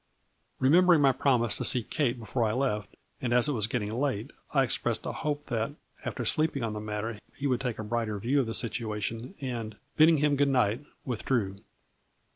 Remembering my promise to see Kate before I left, and as it was getting late, I expressed a hope that, after sleeping on the matter, he would take a brighter view of the situation and, bid ding him good night, withdrew.